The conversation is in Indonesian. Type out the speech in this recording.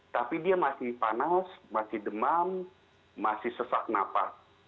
tapi dia masih panas masih demam masih sesak nafas